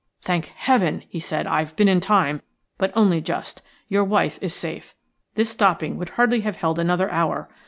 "Thank Heaven!" he said, "I've been in time, but only just. Your wife is safe. This stopping would hardly have held another hour.